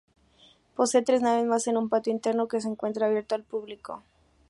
Posee tres naves mas un patio interno que se encuentra abierto al público.